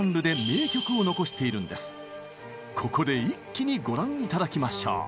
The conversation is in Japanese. ここで一気にご覧頂きましょう。